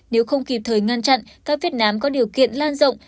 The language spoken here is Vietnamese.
nếu không kịp thời ngăn chặn các việt nam có điều kiện lan rộng